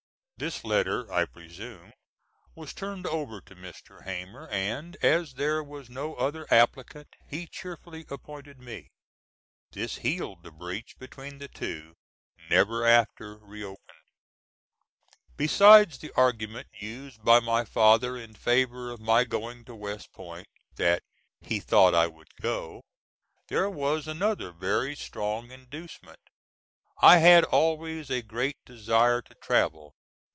This letter, I presume, was turned over to Mr. Hamer, and, as there was no other applicant, he cheerfully appointed me. This healed the breach between the two, never after reopened. Besides the argument used by my father in favor of my going to West Point that "he thought I would go" there was another very strong inducement. I had always a great desire to travel.